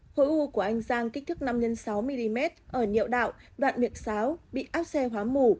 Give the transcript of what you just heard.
khối u của anh giang kích thước năm x sáu mm ở nhiệu đạo đoạn miệt xáo bị áp xe hóa mù